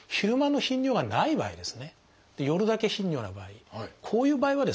夜だけ頻尿の場合こういう場合はですね